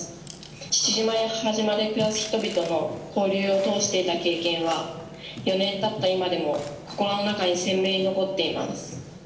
父島や母島で暮らす人々の交流を通して得た経験は、４年たった今でも、心の中に鮮明に残っています。